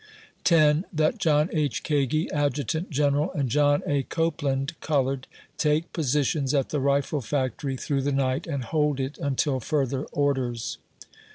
10. That John H. Kagi, Adjutant General, and John A. Copeland, (colored,) take positions at the rifle factory through the night, and hold it until further orders.